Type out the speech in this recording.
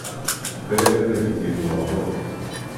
Balak ad ak-gen leɣrur.